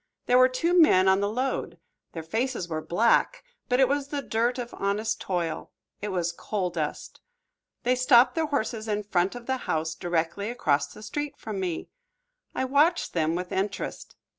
There were two men on the load. Their faces were black, but it was the dirt of honest toil, it was coal dust. They stopped the horses in front of the house directly across the street from me. I watched them with interest.